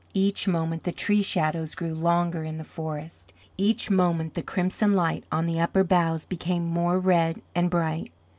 Each moment the tree shadows grew longer in the forest; each moment the crimson light on the upper boughs became more red and bright.